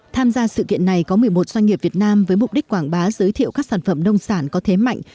tham gia sự kiện này có một mươi một doanh nghiệp việt nam với mục đích quảng bá giới thiệu các sản phẩm nông sản có thế mạnh